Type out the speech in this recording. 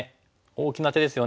大きな手ですよね。